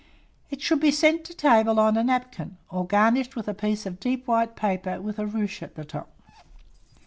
It should be sent to table on a napkin, or garnished with a piece of deep white paper with a ruche at the top.